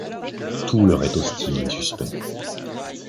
Tout leur est hostile et suspect.